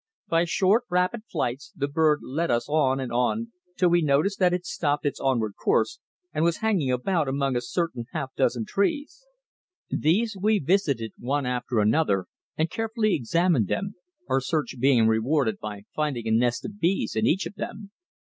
By short rapid flights the bird led us on and on till we noticed that it stopped its onward course and was hanging about among a certain half dozen trees. These we visited one after another and carefully examined them, our search being rewarded by finding a nest of bees in each of them.